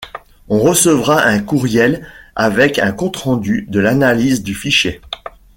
On recevra un courriel avec un compte-rendu de l'analyse du fichier.